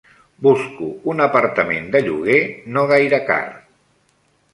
Busco un apartament de lloguer no gaire car.